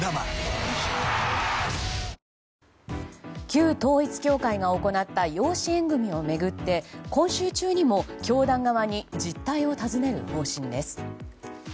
旧統一教会が行った養子縁組を巡って今週中にも教団側に実態を尋ねる方針です。